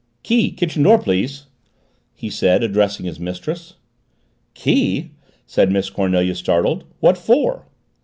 "Key, kitchen door, please!" he said, addressing his mistress. "Key?" said Miss Cornelia, startled. "What for?"